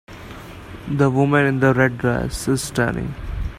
The woman in the red dress is stunning.